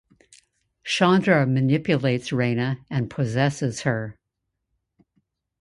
Chandra manipulates Reina and possesses her.